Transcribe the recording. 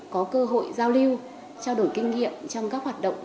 có cơ hội giao lưu trao đổi kinh nghiệm trong các hoạt động